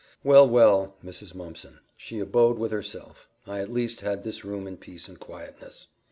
"Well, well, Mrs. Mumpson! She abode with herself. I at least had this room in peace and quietness."